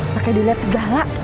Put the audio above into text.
pakai dilihat segala